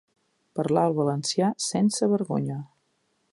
Parlar el valencià, sense vergonya.